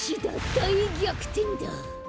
だいぎゃくてんだ！